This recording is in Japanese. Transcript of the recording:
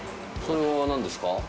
それは何ですか？